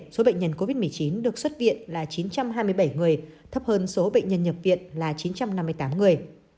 số bệnh nhân covid một mươi chín được xuất viện là chín trăm hai mươi bảy người thấp hơn số bệnh nhân nhập viện là chín trăm năm mươi tám người